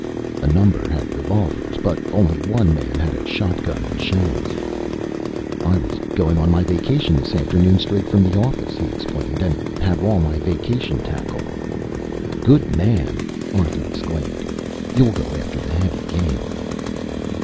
A number had revolvers, but only one man had a shotgun and shells. "I was going on my vacation this afternoon straight from the office," he explained, "and have all my vacation tackle." "Good man!" Arthur exclaimed. "You'll go after the heavy game."